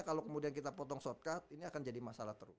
kalau kemudian kita potong shortcut ini akan jadi masalah